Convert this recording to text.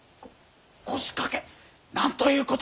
こ腰掛け！？何ということ。